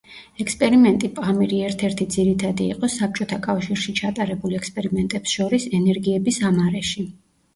ექსპერიმენტი „პამირი“ ერთ-ერთი ძირითადი იყო საბჭოთა კავშირში ჩატარებულ ექსპერიმენტებს შორის ენერგიების ამ არეში.